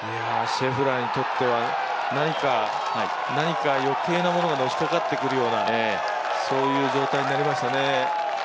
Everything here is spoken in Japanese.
シェフラーにとっては、何か余計なものがのしかかってくるような状態になりますね。